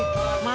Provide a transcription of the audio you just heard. ian ian ian